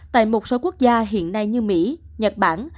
tại một số quốc gia hiện nay như mỹ nhật bản